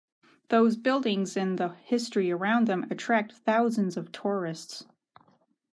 Those buildings and the history around them attract thousands of tourists.